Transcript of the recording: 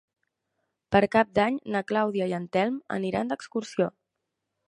Per Cap d'Any na Clàudia i en Telm aniran d'excursió.